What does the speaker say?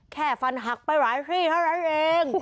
แค่ฟันหักไปหลายที่เท่านั้นเอง